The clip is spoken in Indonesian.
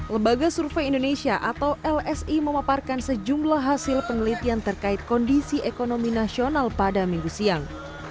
lembaga survei indonesia atau lsi memaparkan sejumlah hasil penelitian terkait kondisi ekonomi nasional pada minggu siang